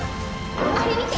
あれみて！